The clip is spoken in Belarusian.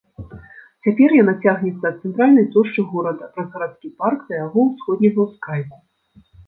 Цяпер яна цягнецца ад цэнтральнай плошчы горада, праз гарадскі парк, да яго ўсходняга ўскрайку.